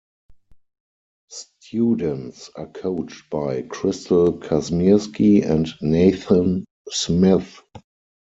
Students are coached by Crystal Kazmierski and Nathan Smith.